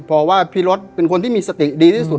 เพราะว่าพี่รถเป็นคนที่มีสติดีที่สุด